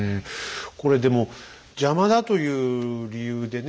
これでも邪魔だという理由でね